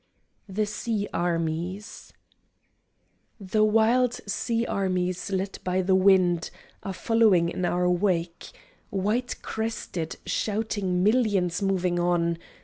THE SEA ARMIES The wild sea armies led by the wind Are following in our wake, White crested shouting millions moving on.